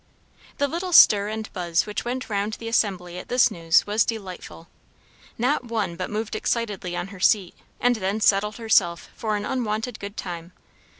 The little stir and buzz which went round the assembly at this news was delightful. Not one but moved excitedly on her seat, and then settled herself for an unwonted good time.